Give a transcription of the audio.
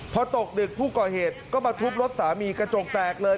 พอตกดึกผู้ก่อเหตุก็มาทุบรถสามีกระจกแตกเลย